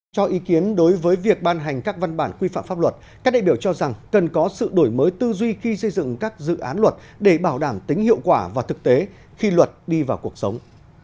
cho ý kiến đối với việc ban hành các văn bản quy phạm pháp luật các đại biểu cho rằng cần có sự đổi mới tư duy khi xây dựng các dự án luật để bảo đảm tính hiệu quả và thực tế khi luật đi vào cuộc sống